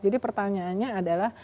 jadi pertanyaannya adalah